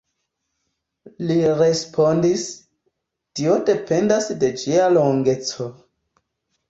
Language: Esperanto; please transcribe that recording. Li respondis: Tio dependas de ĝia longeco.